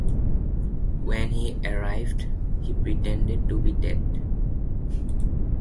When he arrived, he pretended to be dead.